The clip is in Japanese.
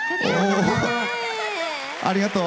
ありがとう。